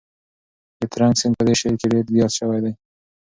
د ترنک سیند په دې شعر کې ډېر یاد شوی دی.